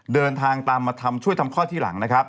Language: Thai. เดินทางตามมาช่วยทำคลอดที่หลัง